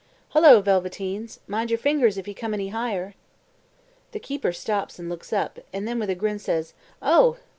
"Hullo, Velveteens, mind your fingers if you come any higher." The keeper stops and looks up, and then with a grin says: "Oh!